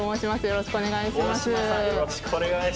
よろしくお願いします。